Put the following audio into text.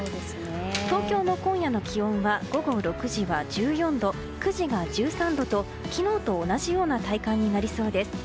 東京の今夜の気温は午後６時は１４度９時が１３度と昨日と同じような体感になりそうです。